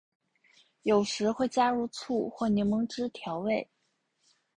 有时会加入醋或柠檬汁调味。